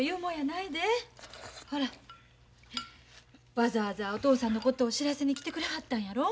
わざわざお父さんのことを知らせに来てくれはったんやろ？